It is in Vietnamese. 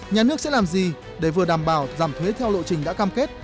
nhà nước sẽ làm gì để vừa đảm bảo giảm thuế theo lộ trình đã cam kết